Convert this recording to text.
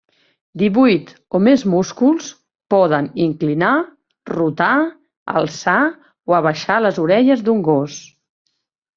Divuit o més músculs poden inclinar, rotar, alçar o abaixar les orelles d'un gos.